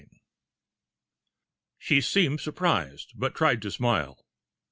IV She seemed surprised, but tried to smile.